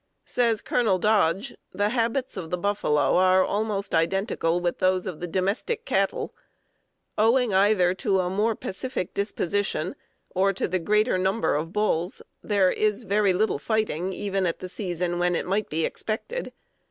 Says Colonel Dodge: "The habits of the buffalo are almost identical with those of the domestic cattle. Owing either to a more pacific disposition, or to the greater number of bulls, there, is very little fighting, even at the season when it might be expected.